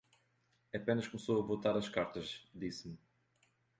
Apenas começou a botar as cartas, disse-me: